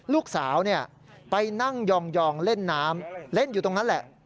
ลูกสาวไปนั่งยองเล่นน้ำเล่นอยู่ตรงนั้นแหละ